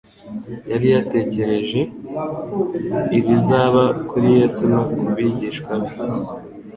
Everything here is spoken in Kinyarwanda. Yari yatekereje ibizaba kuri Yesu no ku bigishwa be,